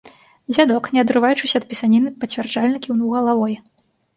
Дзядок, не адрываючыся ад пісаніны, пацвярджальна кіўнуў галавой.